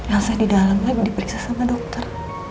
elsa di dalamnya diperiksa sama dokter